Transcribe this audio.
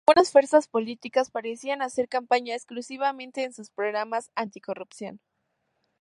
Algunas fuerzas políticas parecían hacer campaña exclusivamente en sus programas anticorrupción.